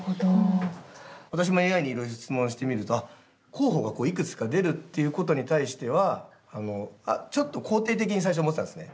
私もＡＩにいろいろ質問してみると候補がいくつか出るっていうことに対しては肯定的に最初、思ったんですね。